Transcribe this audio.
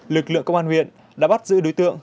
lực lượng công an huyện đã bắt giữ đối tượng